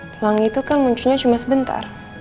pelangi itu kan munculnya cuma sebentar